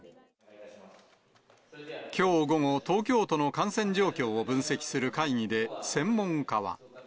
きょう午後、東京都の感染状況を分析する会議で、専門家は。